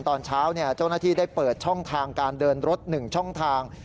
ตอนเช้าเจ้าหน้าที่ได้เปิดช่องทางการเดินรถ๑ช่องทาง